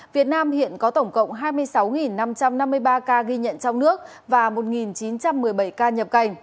việt nam hiện có tổng cộng hai mươi sáu năm trăm năm mươi ba ca ghi nhận trong nước và một chín trăm một mươi bảy ca nhập cảnh